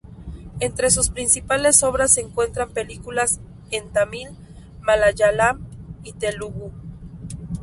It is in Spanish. Entre sus principales obras se encuentran películas en tamil, malayalam y telugu.